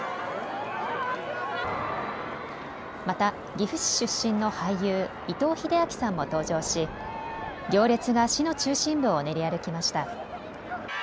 また岐阜市出身の俳優、伊藤英明さんも登場し行列が市の中心部を練り歩きました。